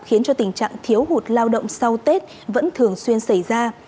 khiến cho tình trạng thiếu hụt lao động sau tết vẫn thường xuyên xảy ra